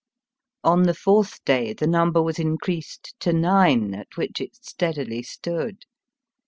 On the fourth day the number was increased to nine, at which it steadily stood.